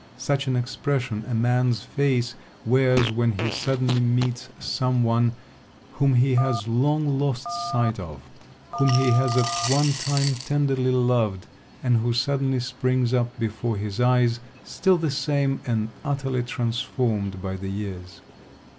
Such an expression a man's face wears when he suddenly meets some one whom he has long lost sight of, whom he has at one time tenderly loved, and who suddenly springs up before his eyes, still the same, and utterly transformed by the years.